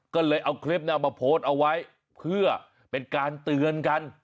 ก็เลยเอาคลิปนั้นมาโพสต์เอาไว้เพื่อเป็นการเตือนกัน